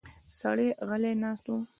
سړی غلی ناست و.